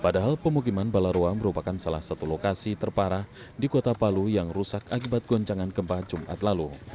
padahal pemukiman balaroa merupakan salah satu lokasi terparah di kota palu yang rusak akibat goncangan gempa jumat lalu